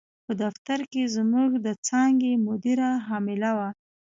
په دفتر کې زموږ د څانګې مدیره حامله وه.